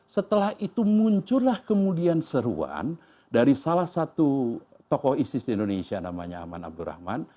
setelah itu muncullah kemudian seruan dari salah satu tokoh isis di indonesia namanya aman abdurrahman